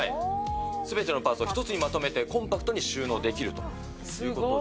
すべてのパーツを一つにまとめてコンパクトに収納できるということで。